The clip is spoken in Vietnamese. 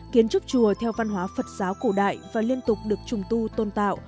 kiến trúc chùa theo văn hóa phật giáo cổ đại và liên tục được trùng tu tôn tạo